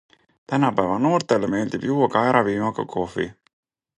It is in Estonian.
Tänapäeva noortele meeldib juua kaerapiimaga kohvi.